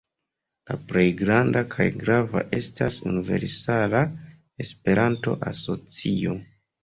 La plej granda kaj grava estas Universala Esperanto-Asocio.